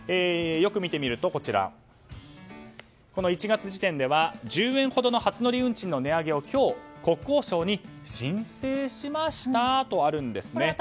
よく見てみると、１月時点では１０円ほどの初乗り運賃の値上げを今日、国交省に申請しましたとあるんですね。